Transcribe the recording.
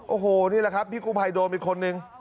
โอ้โหนี่แหละครับพี่กู้ภัยโดนอีกคนนึง